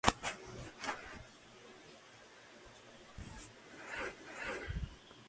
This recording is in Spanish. En la cáscara los descriptores más destacados son papaya, mango y frutos tropicales.